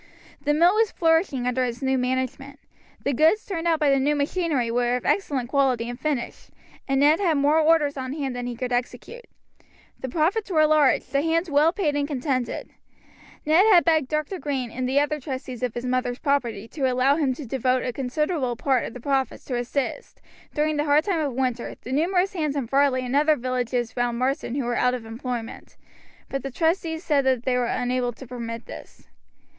The mill was flourishing under its new management. The goods turned out by the new machinery were of excellent quality and finish, and Ned had more orders on hand than he could execute. The profits were large, the hands well paid and contented. Ned had begged Dr. Green and the other trustees of his mother's property to allow him to devote a considerable part of the profits to assist, during the hard time of winter, the numerous hands in Varley and other villages round Marsden who were out of employment; but the trustees said they were unable to permit this.